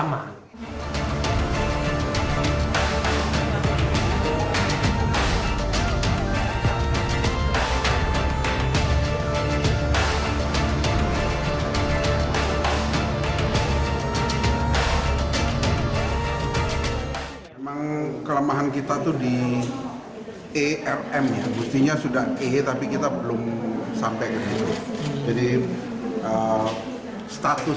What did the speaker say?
memang kelemahan kita tuh di erm nya mustinya sudah eh tapi kita belum sampai jadi status